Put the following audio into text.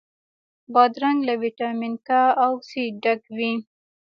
بادرنګ له ویټامین K او C ډک وي.